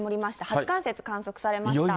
初冠雪、観測されました。